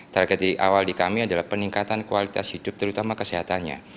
target awal di kami adalah peningkatan kualitas hidup terutama kesehatannya